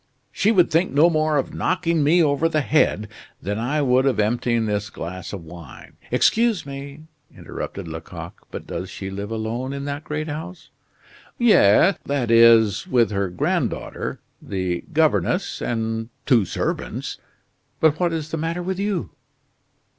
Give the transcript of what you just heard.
She would think no more of knocking me over the head than I would of emptying this glass of wine " "Excuse me," interrupted Lecoq, "but does she live alone in that great house?" "Yes that is with her granddaughter, the governess, and two servants. But what is the matter with you?"